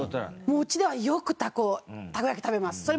もううちではよくたこ焼き食べます。